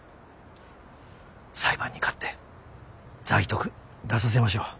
裁判に勝ってザイトク出させましょう。